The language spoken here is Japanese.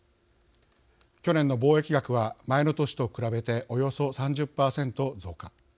去年の貿易額は前の年と比べておよそ３０％増加。